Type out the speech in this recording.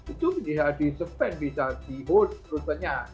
itu bisa di suspend bisa dihut rutenya